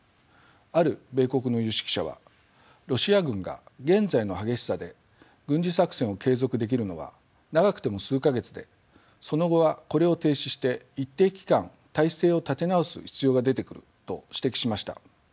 ある米国の有識者は「ロシア軍が現在の激しさで軍事作戦を継続できるのは長くても数か月でその後はこれを停止して一定期間態勢を立て直す必要が出てくる」と指摘しました。